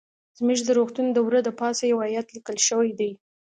زموږ د روغتون د وره د پاسه يو ايت ليکل شوى ديه.